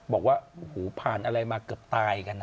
บอกว่าโอ้โหผ่านอะไรมาเกือบตายกันนะ